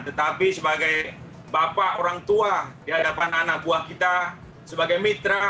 tetapi sebagai bapak orang tua di hadapan anak buah kita sebagai mitra